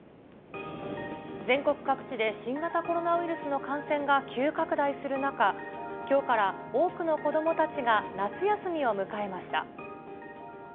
全国各地で新型コロナウイルスの感染が急拡大する中、きょうから多くの子どもたちが夏休みを迎えました。